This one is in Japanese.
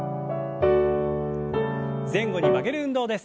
前後に曲げる運動です。